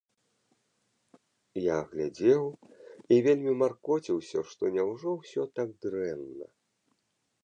Я глядзеў і вельмі маркоціўся, што няўжо ўсё так дрэнна?